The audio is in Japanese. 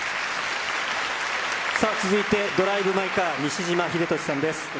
さあ、続いてドライブ・マイ・カー、西島秀俊さんです。